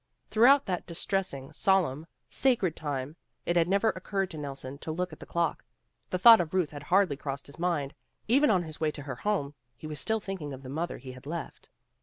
Throughout that distressing, solemn, sacred 180 PEGGY RAYMOND'S WAY time, it had never occurred to Nelson to look at the clock. The thought of Ruth had hardly crossed his mind. Even on his way to her home, he was still thinking of the mother he had left.